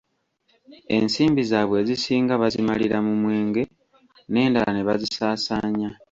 Ensimbi zaabwe ezisinga bazimalira mu mwenge n'endala ne bazisaasaanya.